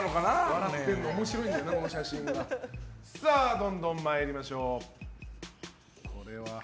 どんどん参りましょう。